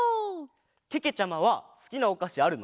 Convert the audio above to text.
けけちゃまはすきなおかしあるの？